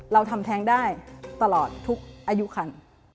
เราทำแท้งได้ตลอดทุกอายุคัน